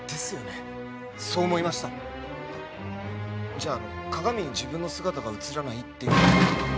じゃあ鏡に自分の姿が映らないっていうのは。